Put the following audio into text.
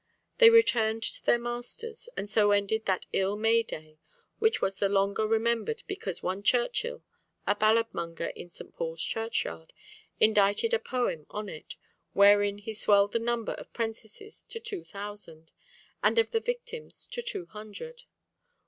They returned to their masters, and so ended that Ill May day, which was the longer remembered because one Churchill, a ballad monger in St. Paul's Churchyard, indited a poem on it, wherein he swelled the number of prentices to two thousand, and of the victims to two hundred.